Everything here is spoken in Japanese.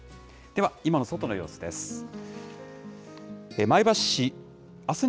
では今の外の様子です。